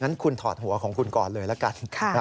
งั้นคุณถอดหัวของคุณก่อนเลยละกัน